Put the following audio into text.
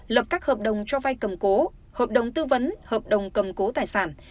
lập các hợp đồng cho vai cầm cố hợp đồng tư vấn hợp đồng cầm cố tài sản